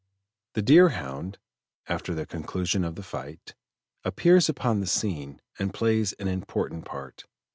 The Deerhound, after the conclusion of the fight, appears upon the scene, and plays an important part.